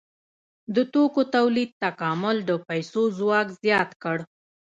د توکو تولید تکامل د پیسو ځواک زیات کړ.